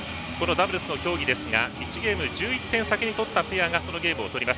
ダブルスのゲームですが１ゲーム、１１点取ったペアがそのゲームをとります。